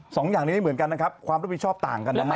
สองอย่างนี้ไม่เหมือนกันนะครับความรับผิดชอบต่างกันนะฮะ